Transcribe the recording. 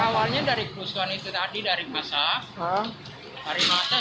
biasa aku toko jakarta